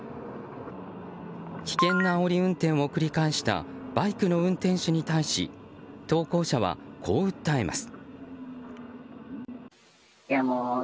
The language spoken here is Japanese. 危険なあおり運転を繰り返したバイクの運転手に対し投稿者はこう訴えます。